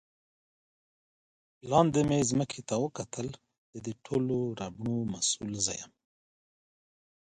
لاندې مې ځمکې ته وکتل، د دې ټولو ربړو مسؤل زه ووم.